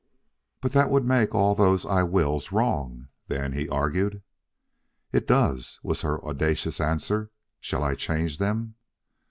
"But that would make all those I wills wrong, then," he argued. "It does," was her audacious answer. "Shall I change them?"